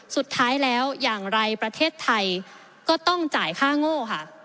สุดท้ายแล้วอย่างไรประเทศไทยก็ต้องจ่ายค่าโง่ค่ะ